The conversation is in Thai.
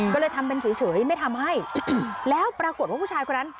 ก็เลยทำเป็นเฉยไม่ทำให้แล้วปรากฏว่าผู้ชายคนนั้น